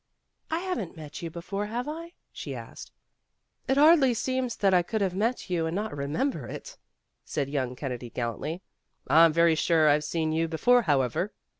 "I haven't met you before, have I?" she asked. "It hardly seems that I could have met you and not remember it," said young Kennedy gallantly. "I'm very sure I've seen you be fore, however."